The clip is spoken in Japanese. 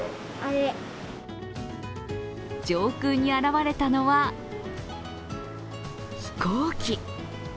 上空に現れたのは飛行機。